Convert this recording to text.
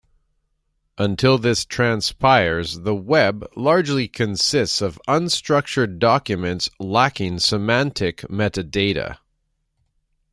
Until this transpires, the web largely consists of unstructured documents lacking semantic metadata.